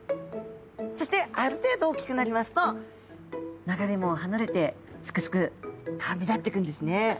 そしてある程度大きくなりますと流れ藻を離れてすくすく旅立っていくんですね。